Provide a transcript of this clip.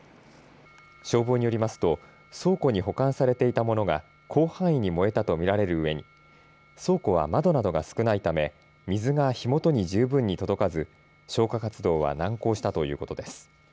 消防によりますと倉庫に保管されていたものが広範囲に燃えたと見られるうえに倉庫は窓などが少ないため水が火元に十分に届かず消火活動は難航したということです。